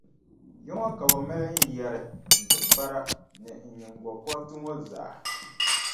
Ya ŋɔ ka bɛ maali n yɛri, n tibikpara ni n nyiŋgokɔriti ŋɔ zaa.